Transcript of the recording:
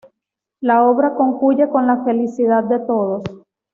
La obra concluye con la felicidad de todos.